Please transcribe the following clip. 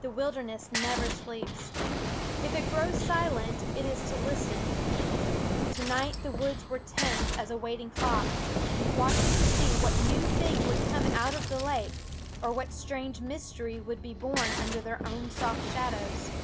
The wilderness never sleeps. If it grow silent, it is to listen. To night the woods were tense as a waiting fox, watching to see what new thing would come out of the lake, what strange mystery would be born under their own soft shadows.